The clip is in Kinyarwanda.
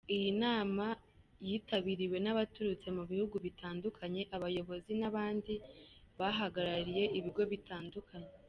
Iyi nama yitabiriwe n’abaturutse mu bihugu bitandukanye, abayobozi n’abandi bahagarariye ibigo bitandukanye.